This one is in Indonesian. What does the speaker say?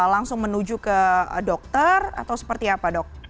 langsung menuju ke dokter atau seperti apa dok